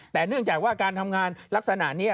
แต่เนื่องจากว่าการทำงานลักษณะนี้